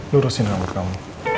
luruskan rambut kamu